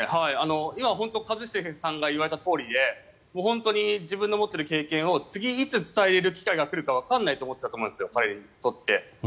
今、本当に一茂さんが言われたとおりで本当に自分の持っている経験をいつ、次伝えられる機会が来るかわからないと思っていたと思うんです、彼にとって。